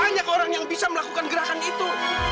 banyak orang yang bisa melakukan gerakan itu